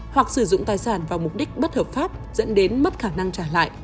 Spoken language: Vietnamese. hoặc sử dụng tài sản vào mục đích bất hợp pháp dẫn đến mất khả năng trả lại